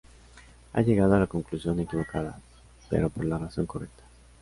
Ha llegado a la conclusión equivocada pero por la razón correcta".